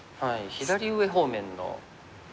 左上方面の。